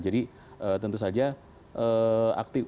jadi tentu saja aktif